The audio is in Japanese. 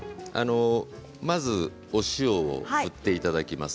まずお塩を振っていただきます。